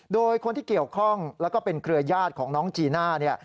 โดยคนที่เกี่ยวข้องแล้วก็เป็นเครือญาติของน้องจีน่าเนี่ย